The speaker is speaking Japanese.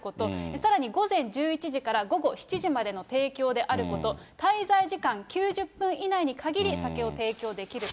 さらに午前１１時から午後７時までの提供であること、滞在時間９０分以内に限り、酒を提供できると。